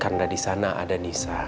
karena di sana ada nisa